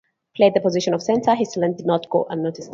Playing the position of centre, his talent did not go unnoticed.